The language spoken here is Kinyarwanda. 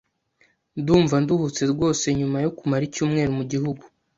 Ndumva nduhutse rwose nyuma yo kumara icyumweru mugihugu.